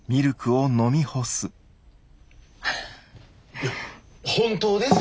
いや本当ですよ